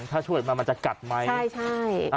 ถ้าช่วยมามันจะกัดไหม